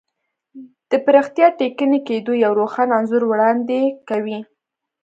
د پراختیا ټکني کېدو یو روښانه انځور وړاندې کوي.